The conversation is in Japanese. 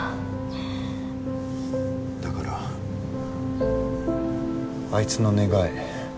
だからあいつの願い